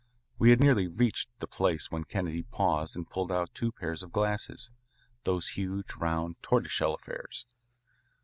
We had nearly reached the place when Kennedy paused and pulled out two pairs of glasses, those huge round tortoiseshell affairs.